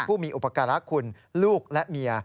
ผู้มีอุปการะคุณลูกและเมีย